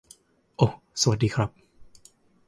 โอะ สวัสดีครับ